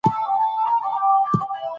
سلیمان غر د هېواد په هره برخه کې دی.